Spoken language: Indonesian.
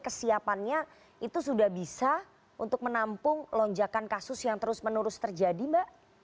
kesiapannya itu sudah bisa untuk menampung lonjakan kasus yang terus menerus terjadi mbak